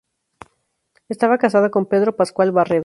Estaba casada con Pedro Pascual Barredo.